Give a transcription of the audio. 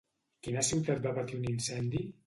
Quina ciutat va patir un incendi?